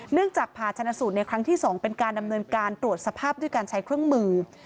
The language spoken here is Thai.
จากผ่าชนะสูตรในครั้งที่๒เป็นการดำเนินการตรวจสภาพด้วยการใช้เครื่องมือ